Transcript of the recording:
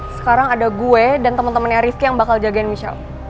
sekarang ada gue dan temen temennya rifki yang bakal jagain michelle